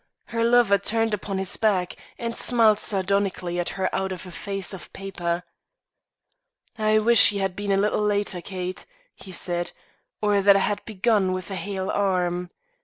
Her lover turned upon his back and smiled sardonically at her out of a face of paper. "I wish ye had been a little later, Kate," he said, "or that I had begun with a hale arm.